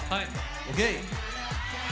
ＯＫ！